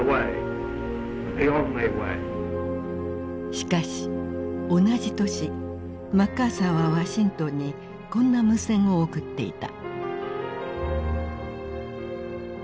しかし同じ年マッカーサーはワシントンにこんな無線を送っていた。